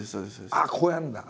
「ああこうやるんだな。